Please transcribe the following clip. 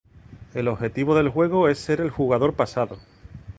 El objetivo del juego es ser el jugador pasado.